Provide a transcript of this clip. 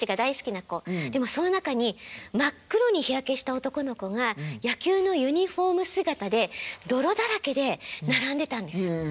でもその中に真っ黒に日焼けした男の子が野球のユニフォーム姿で泥だらけで並んでたんですよ。